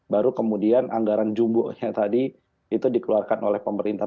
baru kemudian anggaran jumbo nya tadi itu dikeluarkan oleh pemerintah